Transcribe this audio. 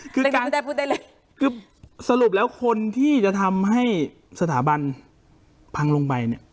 คือในการไม่ได้พูดได้เลยคือสรุปแล้วคนที่จะทำให้สถาบันพังลงไปเนี่ย